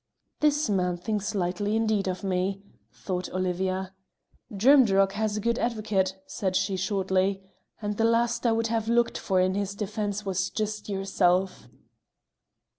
"This man thinks lightly indeed of me," thought Olivia. "Drimdarroch has a good advocate," said she shortly, "and the last I would have looked for in his defence was just yourself."